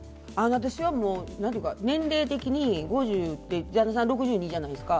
年齢的に、５０って旦那さん６２じゃないですか。